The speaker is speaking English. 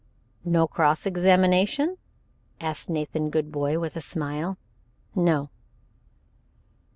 "No cross examination?" asked Nathan Goodbody, with a smile. "No."